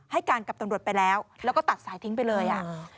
ให้การกับตำรวจไปแล้วแล้วก็ตัดสายทิ้งไปเลยอ่ะ